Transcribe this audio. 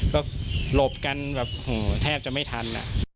ก็หลบกันแบบแทบจะไม่ทัน